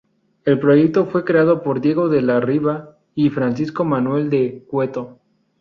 El proyecto fue creado por Diego de la Riva y Francisco Manuel de Cueto.